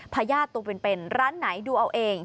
พญาติตัวเป็นร้านไหนดูเอาเอง